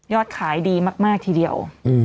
ขายดีมากทีเดียว